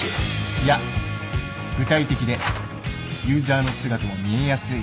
いや具体的でユーザーの姿も見えやすい。